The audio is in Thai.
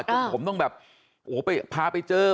จนผมต้องแบบโหเภพาไปเจอ